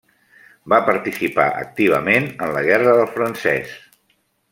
Va participar activament en la guerra del francès.